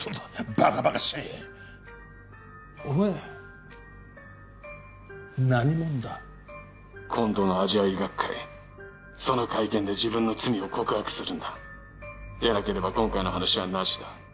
ばかばかしいお前何者だ今度のアジア医学会その会見で自分の罪を告白するんだでなければ今回の話はなしだ